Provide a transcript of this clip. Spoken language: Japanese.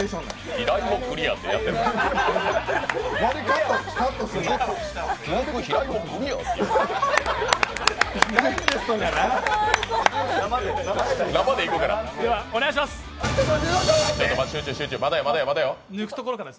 平井、クリアってやってるから。